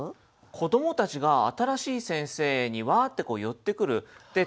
子どもたちが新しい先生にワーッて寄ってくる。